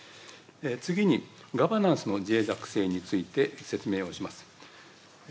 次にガバナンスのぜい弱性について説明をします。